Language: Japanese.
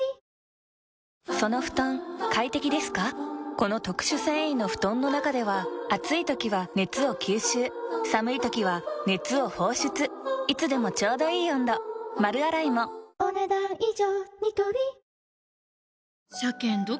この特殊繊維の布団の中では暑い時は熱を吸収寒い時は熱を放出いつでもちょうどいい温度丸洗いもお、ねだん以上。